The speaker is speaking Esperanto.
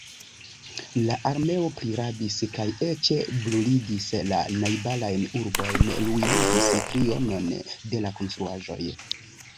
La armeo prirabis kaj eĉ bruligis la najbarajn urbojn, ruinigis trionon de la konstruaĵoj.